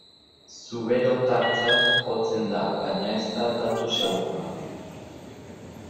Zuberotartzat jotzen da baina ez da datu segurua.